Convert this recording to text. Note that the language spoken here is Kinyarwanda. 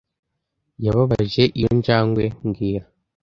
Yababaje iyo njangwe mbwira (